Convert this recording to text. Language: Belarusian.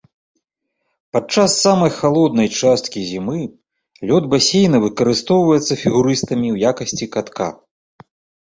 Падчас самай халоднай часткі зімы, лёд басейна выкарыстоўваецца фігурыстамі ў якасці катка.